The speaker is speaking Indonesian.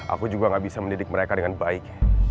aku juga gak bisa mendidik mereka dengan baik